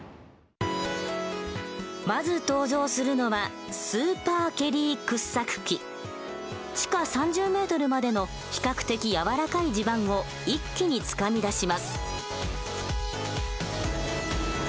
まず登場するのは地下３０ｍまでの比較的やわらかい地盤を一気につかみ出します。